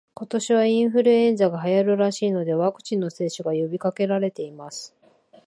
今年はインフルエンザが流行るらしいので、ワクチンの接種が呼びかけられています